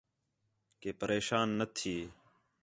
کہ پریشان نہ تھی